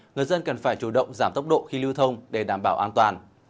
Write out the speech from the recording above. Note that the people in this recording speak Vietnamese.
người dân cần phải chủ động giảm tốc độ khi lưu thông để đảm bảo an toàn